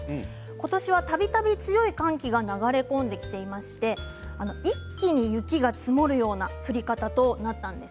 今年はたびたび強い寒気が流れ込んできていまして一気に雪が積もるような降り方となったんです。